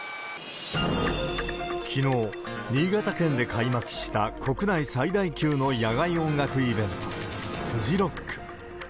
きのう、新潟県で開幕した国内最大級の野外音楽イベント、フジロック。